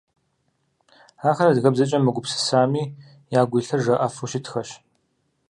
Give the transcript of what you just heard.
Ахэр адыгэбзэкӏэ мыгупсысэми, ягу илъыр жаӏэфу щытхэщ.